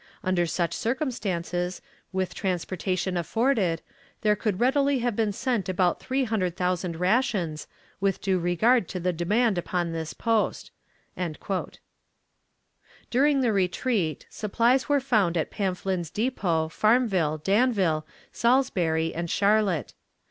Under such circumstances, with transportation afforded, there could readily have been sent about three hundred thousand rations, with due regard to the demand upon this post." During the retreat, supplies were found at Pamphlin's Depot, Farmville, Danville, Saulsbury, and Charlotte.